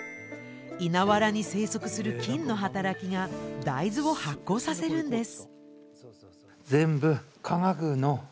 稲藁に生息する菌の働きが大豆を発酵させるんです。